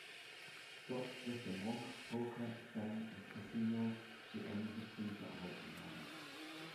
Dort trifft er Monk, Poker, Shang und Casino, die ähnliche Briefe erhalten haben.